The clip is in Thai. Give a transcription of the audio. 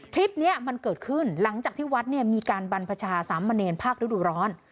คลิปนี้มันเกิดขึ้นหลังจากที่วัดเนี่ยมีการบรรพชาสามเณรภาคฤดูร้อน